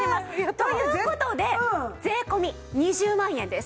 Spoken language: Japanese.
という事で税込２０万円です。